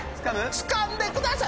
つかんでください！